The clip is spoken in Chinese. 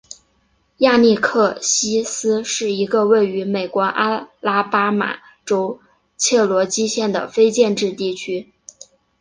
亚历克西斯是一个位于美国阿拉巴马州切罗基县的非建制地区。